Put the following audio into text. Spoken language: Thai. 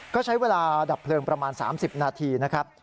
ก็ใช้เวลาดับเพลิงประมาณ๓๐นาทีนะครับ